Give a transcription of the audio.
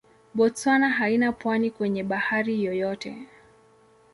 Botswana haina pwani kwenye bahari yoyote.